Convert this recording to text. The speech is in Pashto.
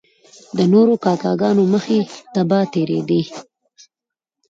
د نورو کاکه ګانو مخې ته به تیریدی.